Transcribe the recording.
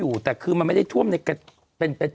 ศูนย์อุตุนิยมวิทยาภาคใต้ฝั่งตะวันอ่อค่ะ